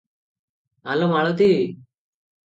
ଆଲୋ ମାଳତୀ!